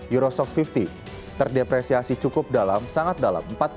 eurosoft lima puluh terdepresiasi cukup dalam sangat dalam